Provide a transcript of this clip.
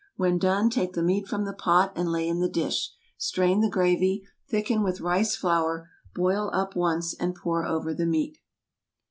When done, take the meat from the pot and lay in the dish. Strain the gravy, thicken with rice flour, boil up once, and pour over the meat.